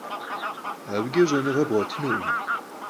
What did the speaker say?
Abıç'e ş'enığe bğuetınukhım.